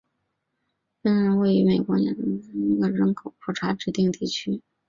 弗农是位于美国亚利桑那州阿帕契县的一个人口普查指定地区。